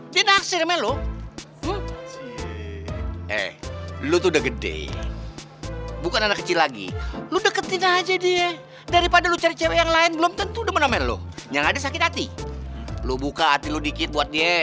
papi tidak suka kalau kamu dekat sama si boy anak motor itu